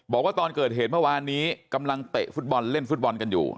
บอกว่าตอนเกิดเหตุเมื่อวานนี้กำลังเตะฟุตบอลเล่นฟุตบอลกันอยู่